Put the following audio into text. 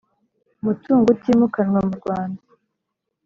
mutungo utimukanwa mu Rwanda